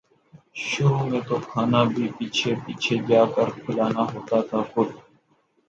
شروع میں تو کھانا بھی پیچھے پیچھے جا کر کھلانا ہوتا تھا خود